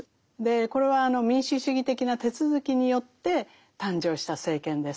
これは民主主義的な手続きによって誕生した政権です。